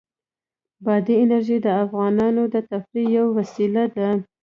بادي انرژي د افغانانو د تفریح یوه وسیله ده.